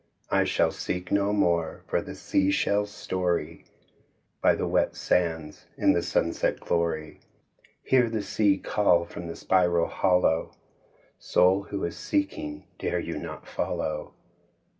I shall seek no more for the sea shell's story By the wet sands in the sunset glory. Hear the sea call from the spiral hollow, "Soul who is seeking, dare you not follow?"